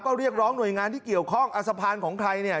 ก็เรียกร้องหน่วยงานที่เกี่ยวข้องเอาสะพานของใครเนี่ย